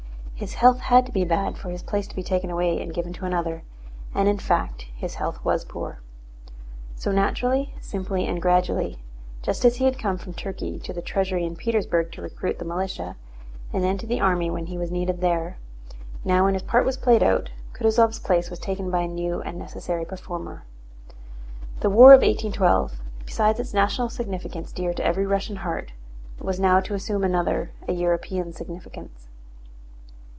His health had to be bad for his place to be taken away and given to another. And in fact his health was poor. So naturally, simply, and gradually—just as he had come from Turkey to the Treasury in Petersburg to recruit the militia, and then to the army when he was needed there—now when his part was played out, Kutúzov's place was taken by a new and necessary performer. The war of 1812, besides its national significance dear to every Russian heart, was now to assume another, a European, significance.